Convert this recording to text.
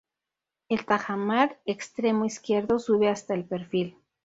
El tajamar extremo izquierdo sube hasta el perfil.